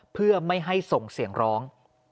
เพื่อไม่ให้ส่งเสียงร้อง